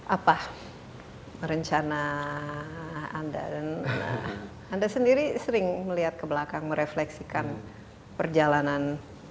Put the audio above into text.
apa rencana anda dan anda sendiri sering melihat ke belakang merefleksikan perjalanan